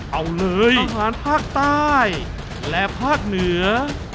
เอาเลยอาหารภาคใต้และภาคเหนือ